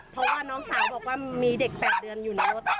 เพราะว่าน้องสาวบอกว่ามีเด็ก๘เดือนอยู่ในรถ